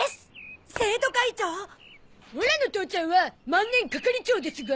オラの父ちゃんは万年係長ですが？